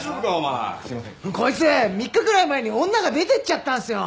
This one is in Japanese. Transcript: こいつ３日くらい前に女が出てっちゃったんすよ。